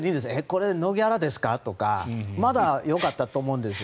これ、ノーギャラですか？とかまだよかったと思うんです。